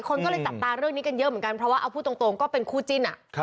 คนก็เลยจับตาเรื่องนี้กันเยอะเหมือนกันเพราะว่าเอาพูดตรงก็เป็นคู่จิ้น